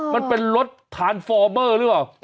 มันเป็นรสทานฟอร์เมอร์หรือเปล่า